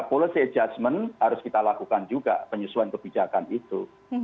policy adjustment harus kita lakukan juga penyesuaian kebijakan itu